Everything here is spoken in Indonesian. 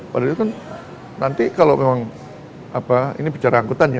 padahal itu kan nanti kalau memang ini bicara angkutan ya